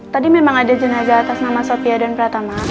tadi memang ada jenazah atas nama sofia dan pratama